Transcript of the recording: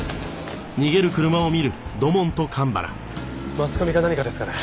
マスコミか何かですかね？